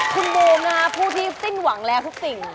คุณบูมนะฮะผู้ที่สิ้นหวังแล้วทุกสิ่ง